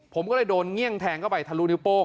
ผมก็เลยโดนเงี่ยงแทงเข้าไปทะลุนิ้วโป้ง